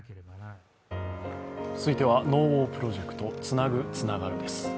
続いては「ＮＯＷＡＲプロジェクトつなぐ、つながる」です。